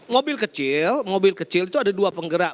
mobil kecil mobil kecil itu ada dua penggerak